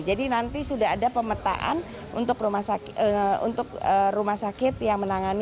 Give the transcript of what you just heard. jadi nanti sudah ada pemetaan untuk rumah sakit yang menangani